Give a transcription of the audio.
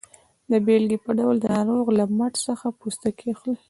د بیلګې په ډول د ناروغ له مټ څخه پوستکی اخلي.